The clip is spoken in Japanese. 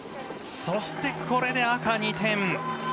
そして、これで赤２点。